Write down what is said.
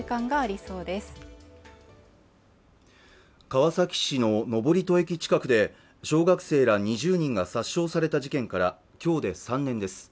川崎市の登戸駅近くで小学生ら２０人が殺傷された事件からきょうで３年です